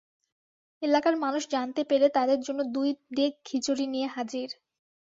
এলাকার মানুষ জানতে পেরে তাঁদের জন্য দুই ডেগ খিচুড়ি নিয়ে হাজির।